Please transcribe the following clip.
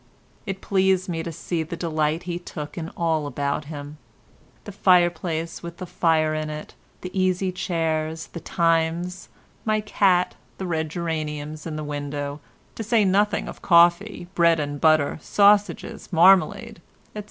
It pleased me to see the delight he took in all about him; the fireplace with a fire in it; the easy chairs, the Times, my cat, the red geraniums in the window, to say nothing of coffee, bread and butter, sausages, marmalade, etc.